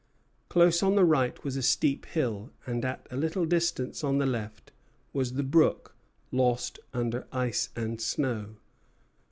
Close on the right was a steep hill, and at a little distance on the left was the brook, lost under ice and snow.